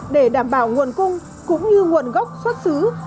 để đảm bảo nguồn cung cũng như nguồn gốc xuất xứ